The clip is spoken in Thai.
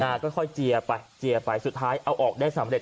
ค่อยเจียไปเจียไปสุดท้ายเอาออกได้สำเร็